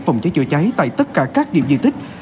phòng cháy chữa cháy tại tất cả các điểm di tích